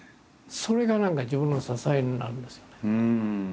それが何か自分の支えになるんですよね。